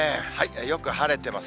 よく晴れてます。